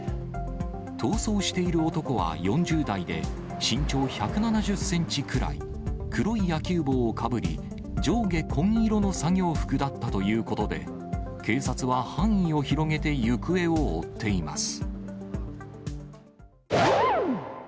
逃走している男は４０代で、身長１７０センチくらい、黒い野球帽をかぶり、上下紺色の作業服だったということで、警察は範囲を広げて行方を追っています。